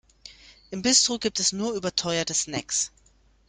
Im Bistro gibt es nur überteuerte Snacks.